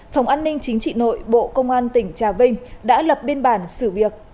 phòng an ninh chính trị nội bộ công an tỉnh trà vinh đã lập biên bản xử việc